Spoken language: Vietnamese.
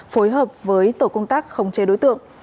phối hợp với tổ công tác khống chế đối tượng